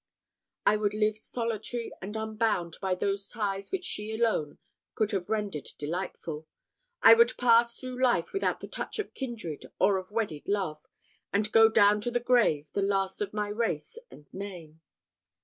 I would live solitary and unbound by those ties which she alone could have rendered delightful. I would pass through life without the touch of kindred or of wedded love, and go down to the grave the last of my race and name.